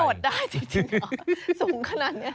อันนี้โดดได้จริงเหรอสูงขนาดนี้